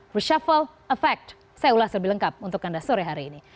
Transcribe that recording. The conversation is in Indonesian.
reshuffle effect saya ulas lebih lengkap untuk anda sore hari ini